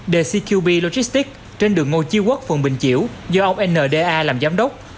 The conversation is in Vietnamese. công ty logistics trên đường ngô chi quốc phường bình chiểu do ông nda làm giám đốc